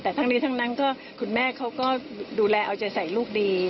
แต่ทั้งนี้ทั้งนั้นก็คุณแม่เขาก็ดูแลเอาใจใส่ลูกดี